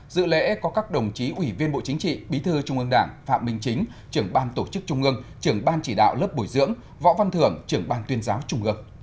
dự lễ có các đồng chí ủy viên bộ chính trị bí thư trung ương đảng phạm minh chính trưởng ban tổ chức trung ương trưởng ban chỉ đạo lớp bồi dưỡng võ văn thưởng trưởng ban tuyên giáo trung ương